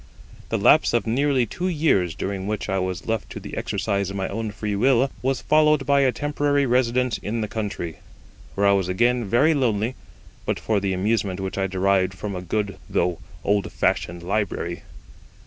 The lapse of nearly two years, during which I was left to the exercise of my own free will, was followed by a temporary residence in the country, where I was again very lonely but for the amusement which I derived from a good though old fashioned library.